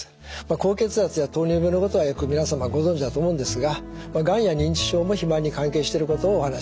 高血圧や糖尿病のことはよく皆様ご存じだと思うんですががんや認知症も肥満に関係していることをお話しいたします。